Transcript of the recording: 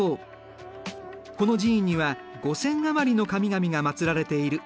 この寺院には５，０００余りの神々が祭られている。